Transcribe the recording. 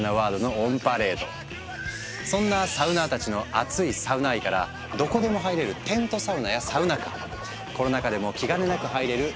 そんなサウナーたちのアツいサウナ愛からどこでも入れる「テントサウナ」や「サウナカー」コロナ禍でも気兼ねなく入れる「ソロサウナ」